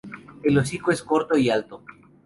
El hocico es corto y alto.